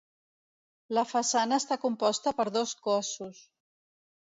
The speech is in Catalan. La façana està composta per dos cossos.